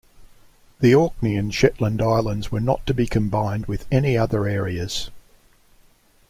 The Orkney and Shetland Islands were not to be combined with any other areas.